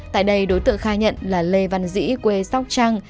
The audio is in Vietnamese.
tại đây đối tượng khai nhận là lê văn dĩ quê sóc trăng